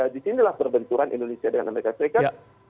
disinilah perbenturan indonesia dengan amerika serikat